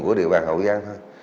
của địa bàn hậu giang thôi